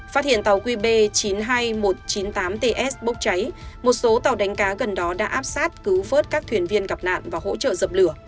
phát hiện tàu qb chín mươi hai nghìn một trăm chín mươi tám ts bốc cháy một số tàu đánh cá gần đó đã áp sát cứu vớt các thuyền viên gặp nạn và hỗ trợ dập lửa